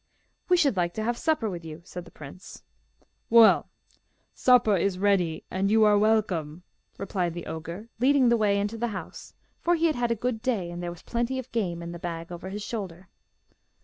'We should like to have supper with you,' said the prince. 'Well, supper is ready, and you are welcome,' replied the ogre, leading the way into the house, for he had had a good day, and there was plenty of game in the bag over his shoulder.